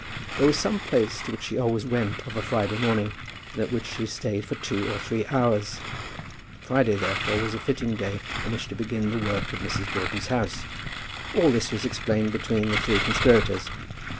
There was some place to which she always went of a Friday morning, and at which she stayed for two or three hours. Friday therefore was a fitting day on which to begin the work at Mrs. Broughton's house. All this was explained between the three conspirators.